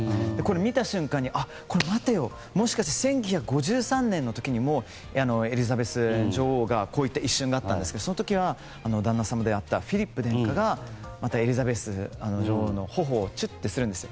見た瞬間に、待てよ１９５３年の時にもエリザベス女王がこういったこういった一瞬があったんですけど、その時は旦那様であったフィリップ殿下がエリザベス女王の頬をちゅっとするんですよ。